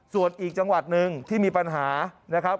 ส่วนอีกจังหวัดหนึ่งที่มีปัญหานะครับ